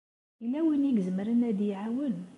Yella win ay izemren ad iyi-iɛawen?